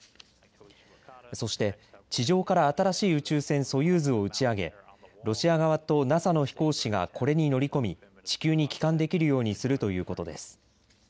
そして地上から新しい宇宙船ソユーズを打ち上げロシア側とＮＡＳＡの飛行士がこれに乗り込み地球に帰還できるようにするということです。